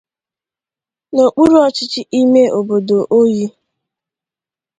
n'okpuruọchịchị ime obodo Oyi.